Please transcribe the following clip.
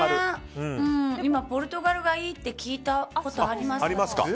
今、ポルトガルがいいって聞いたことあります。